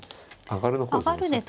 上がるの方ですね。